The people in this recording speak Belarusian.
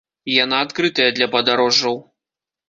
Яна адкрытая для падарожжаў.